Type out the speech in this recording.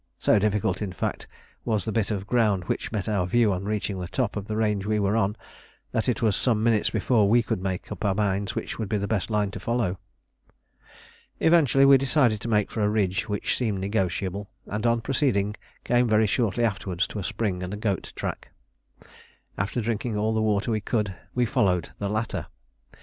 So difficult, in fact, was the bit of ground which met our view on reaching the top of the range we were on, that it was some minutes before we could make up our minds which would be the best line to follow. Eventually we decided to make for a ridge which seemed negotiable, and on proceeding came very shortly afterwards to a spring and a goat track. After drinking all the water we could, we followed the latter.